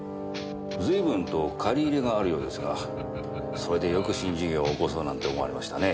随分と借り入れがあるようですがそれでよく新事業を起こそうなんて思われましたね。